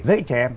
dạy trẻ em